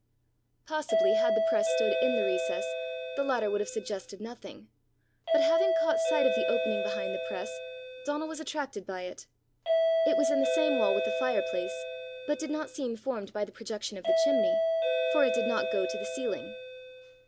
Possibly had the press stood in the recess, the latter would have suggested nothing; but having caught sight of the opening behind the press, Donal was attracted by it. It was in the same wall with the fireplace, but did not seem formed by the projection of the chimney, for it did not go to the ceiling.